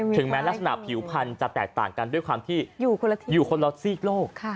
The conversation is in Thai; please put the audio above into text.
ถึงแม้ลักษณะผิวพันธรรมดิ์จะแตกต่างกันด้วยความที่อยู่คนละทีอยู่คนละทิกโลก